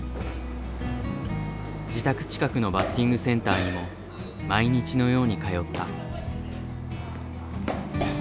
自宅近くのバッティングセンターにも毎日のように通った。